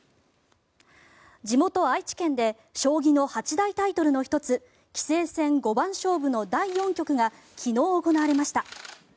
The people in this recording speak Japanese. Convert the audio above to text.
地元・愛知県で将棋の八大タイトルの１つ棋聖戦五番勝負の第４局が昨日、行われました。